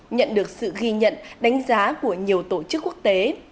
nhận được sự ghi nhận đánh giá của nhiều tổ chức quốc tế